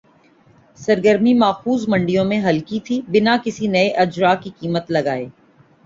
سرگرمی ماخوذ منڈیوں میں ہلکی تھِی بِنا کسی نئے اجراء کی قیمت لگائے